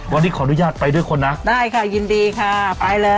วันนี้ขออนุญาตไปด้วยคนนะได้ค่ะยินดีค่ะไปเลย